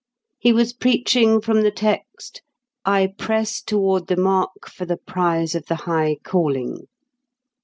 He was preaching from the text, "I press toward the mark for the prize of the high calling."